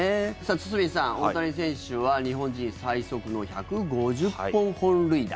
堤さん、大谷選手は日本人最速の１５０本本塁打。